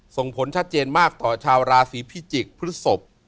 ส่งผลชัดเจนมากต่อชาวราศีพิจิกษ์พฤศพ